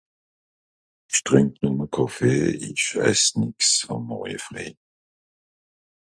Ìch trìnk nùmme Kàffe, ìch ess nix àm Morje fréi.